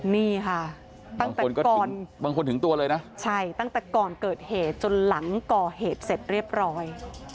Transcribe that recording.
นี่ค่ะตั้งแต่ก่อนเกิดเหตุจนหลังก่อเหตุเสร็จเรียบร้อย